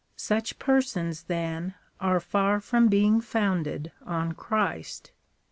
Such persons, then, are far from being founded on Christ.